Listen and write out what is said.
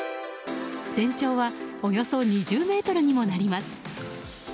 全長はおよそ２０ｍにもなります。